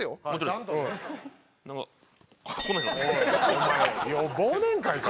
お前忘年会か！